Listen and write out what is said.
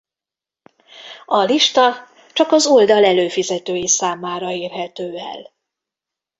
A lista csak az oldal előfizetői számára érhető el.